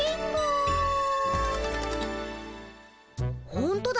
ほんとだ。